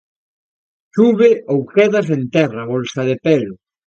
Sube ou quedas en terra, bolsa de pelo.